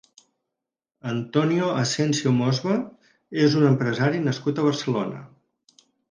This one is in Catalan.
Antonio Asensio Mosbah és un empresari nascut a Barcelona.